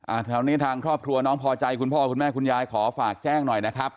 แถวนี้ทางครอบครัวน้องพอใจคุณพ่อคุณแม่คุณยายขอฝากแจ้งหน่อยนะครับ